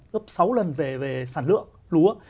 gấp sáu lần về sản lượng lúa